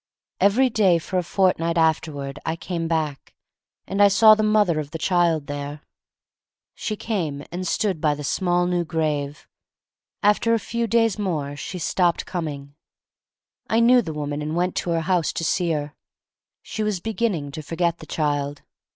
Every day for a fortnight afterward I came back, and I saw the mother of the child there. THE STORY OF MARY MAC LANE 21 She came and stood by the small new grave. After a few days more she stopped coming. I knew the woman and went to her house to see her. She was beginning to forget the child.